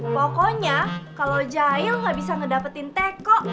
pokoknya kalo jail gak bisa ngedapetin teko